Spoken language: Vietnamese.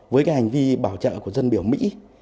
với cái hành vi bảo trợ của dân biểu mỹ